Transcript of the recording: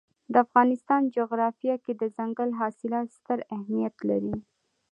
د افغانستان جغرافیه کې دځنګل حاصلات ستر اهمیت لري.